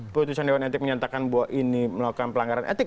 putusan dewan etik menyatakan bahwa ini melakukan pelanggaran etik